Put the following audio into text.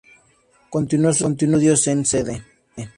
Continuó sus estudios en Cd.